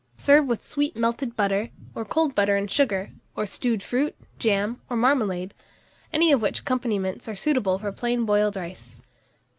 Serve with sweet melted butter, or cold butter and sugar, or stewed fruit, jam, or marmalade; any of which accompaniments are suitable for plain boiled rice.